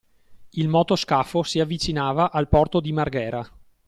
Il motoscafo si avvicinava al porto di Marghera